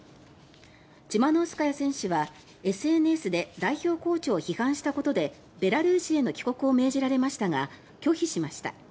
チマノウスカヤ選手は、ＳＮＳで代表コーチを批判したことでベラルーシへの帰国を命じられましたが拒否しました。